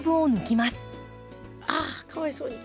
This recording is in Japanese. ああかわいそうに。